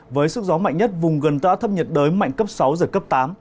với sức gió mạnh nhất vùng gần tâm áp thấp nhiệt đới mạnh cấp sáu giật cấp tám